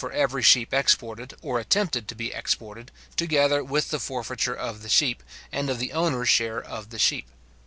for every sheep exported, or attempted to be exported, together with the forfeiture of the sheep, and of the owner's share of the sheep.